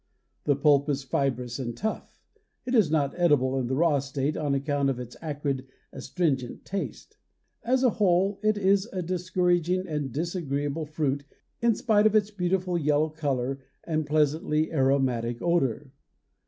The pulp is fibrous and tough; it is not edible in the raw state on account of its acrid, astringent taste. As a whole it is a discouraging and disagreeable fruit in spite of its beautiful yellow color and pleasantly aromatic odor.